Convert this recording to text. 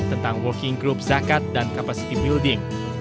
tentang working group zakat dan capacity building